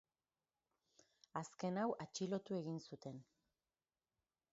Azken hau atxilotu egin zuten.